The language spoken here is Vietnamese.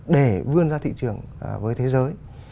để vươn ra thị trường với thế giới